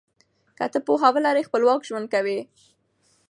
که ته پوهه ولرې خپلواک ژوند کوې.